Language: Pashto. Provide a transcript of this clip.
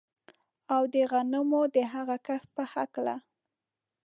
او د غنمو د هغه کښت په هکله